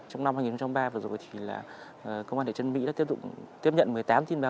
trong năm hai nghìn ba vừa rồi thì là công an thị trấn mỹ đã tiếp nhận một mươi tám tin báo